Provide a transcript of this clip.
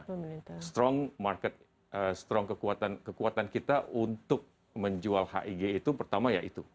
nah strong market strong kekuatan kita untuk menjual hig itu pertama ya itu